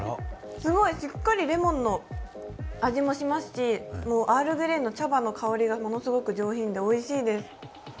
すごいしっかりレモンの味もしますし、もうアールグレイの茶葉の香りがものすごく上品でおいしいです。